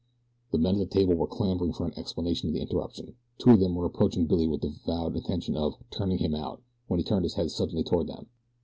The men at the table were clamoring for an explanation of the interruption. Two of them were approaching Billy with the avowed intention of "turning him out," when he turned his head suddenly toward them.